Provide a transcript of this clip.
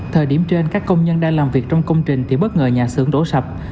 thời điểm trên các công nhân đang làm việc trong công trình thì bất ngờ nhà xưởng đổ sập